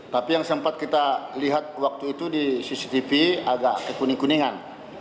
tapi yang sempat kita lihat waktu itu di cctv agak kekuning kuningan